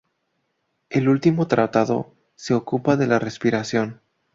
El último tratado se ocupa de la respiración.